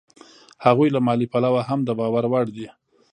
هغوی له مالي پلوه هم د باور وړ دي